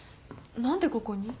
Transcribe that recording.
何でここに？